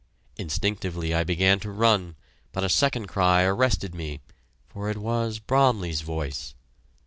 Instinctively I began to run, but a second cry arrested me, for it was Bromley's voice.